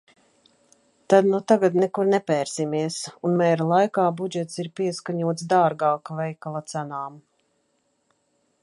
Tad nu tagad nekur nepērsimies un mēra laikā budžets ir pieskaņots dārgāka veikala cenām.